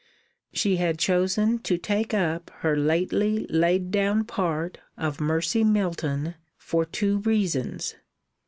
She had chosen to take up her lately laid down part of Mercy Milton for two reasons.